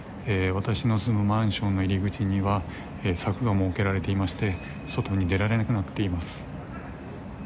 私の住むマンションの入り口には柵が設けられていまして外に出られなくなっています。